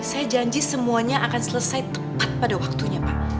saya janji semuanya akan selesai tepat pada waktunya pak